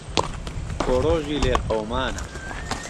بۆ ڕۆژی لێ قهومانه